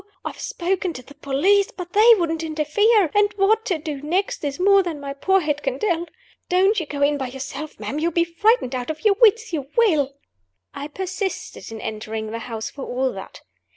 I've spoken to the police; but they wouldn't interfere; and what to do next is more than my poor head can tell. Don't you go in by yourself, ma'am! You'll be frightened out of your wits you will!" I persisted in entering the house, for all that.